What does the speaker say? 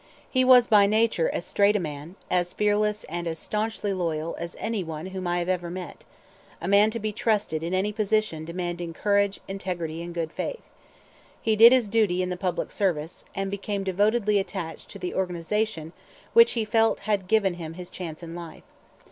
He was by nature as straight a man, as fearless and as stanchly loyal, as any one whom I have ever met, a man to be trusted in any position demanding courage, integrity, and good faith. He did his duty in the public service, and became devotedly attached to the organization which he felt had given him his chance in life.